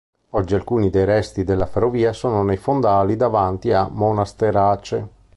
Oggi alcuni dei resti della ferrovia sono nei fondali davanti a Monasterace.